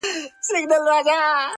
راځي سبا_